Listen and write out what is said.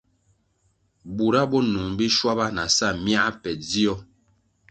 Bura bo nung biswaba na sa myā pe dzio.